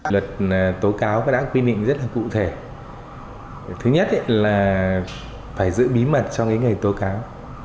luật tố cáo cũng đã quy định rất là cụ thể thứ nhất là phải giữ bí mật trong cái ngày tố cáo